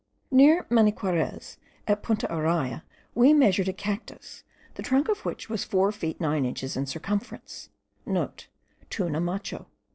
Near Maniquarez, at Punta Araya, we measured a cactus,* the trunk of which was four feet nine inches in circumference (* Tuna macho.